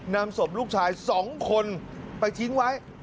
นำศพลูกชาย๒คนไปทิ้งไว้